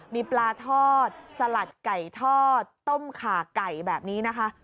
มีปลาทอดสลัดไก่ทอดต้มขาไก่แบบนี้นะคะ